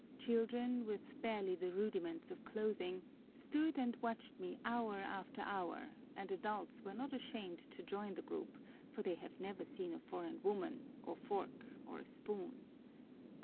Children, with barely the rudiments of clothing, stood and watched me hour after hour, and adults were not ashamed to join the group, for they had never seen a foreign woman, a fork, or a spoon.